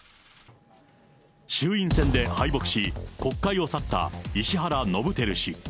衆院選で敗北し、国会を去った石原伸晃氏。